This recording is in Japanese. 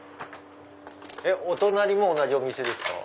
お隣も同じお店ですか？